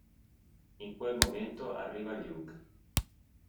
In quel momento arriva Luke.